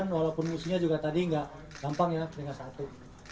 setelah kita udah bisa juara olimpiade